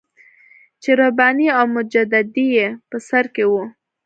چې رباني او مجددي یې په سر کې وو.